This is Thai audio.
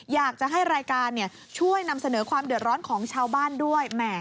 อยากจะให้รายการช่วยนำเสนอความเดือดร้อนของชาวบ้านด้วย